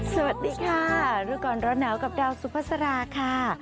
สวัสดีค่ะรูปกรณ์ร้อนแนวกับดาวสุภาษาค่ะ